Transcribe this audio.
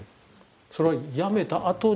それは辞めたあとに？